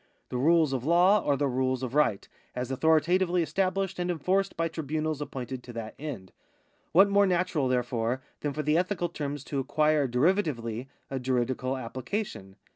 The rules of law are the rules of right, as authoritatively estabhshed and enforced by tribunals appointed to that end. What more natural, therefore, than for the ethical terms to acquire derivatively a juridical application